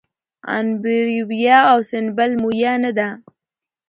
عنبربويه او سنبل مويه نه ده